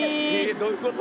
どういうこと？